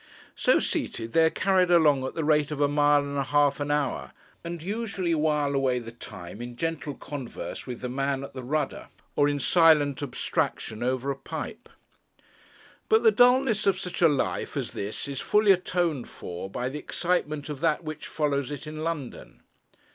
So seated, they are carried along at the rate of a mile and a half an hour, and usually while away the time in gentle converse with the man at the rudder, or in silent abstraction over a pipe. But the dullness of such a life as this is fully atoned for by the excitement of that which follows it in London.